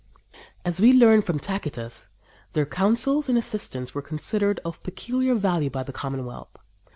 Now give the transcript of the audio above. As we learn from Tacitus, their counsels and assistance were considered of peculiar value by the Commonwealth.